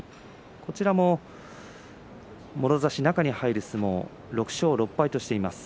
こちらももろ差し、中に入る相撲６勝６敗としています。